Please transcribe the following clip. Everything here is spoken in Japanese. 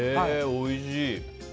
おいしい！